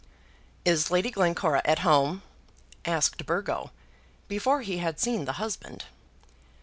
"Is Lady Glencora at home?" asked Burgo, before he had seen the husband.